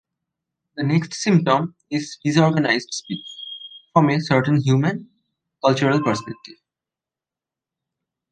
The next symptom is disorganized speech, from a certain human, cultural perspective.